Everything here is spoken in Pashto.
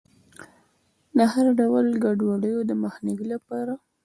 د هر ډول ګډوډیو د مخنیوي لپاره.